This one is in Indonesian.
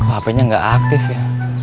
kok hpnya gak aktif ya